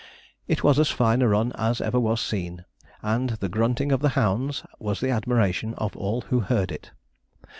It was as fine a run as ever was seen, and the grunting of the hounds was the admiration of all who heard it.